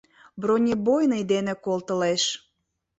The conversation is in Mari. — Бронебойный дене колтылеш.